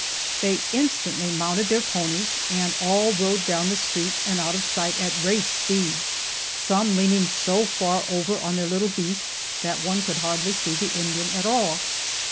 They instantly mounted their ponies, and all rode down the street and out of sight at race speed, some leaning so far over on their little beasts that one could hardly see the Indian at all.